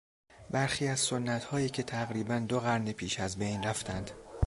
برخی از سنتهایی که تقریبا دو قرن پیش ازبین رفتند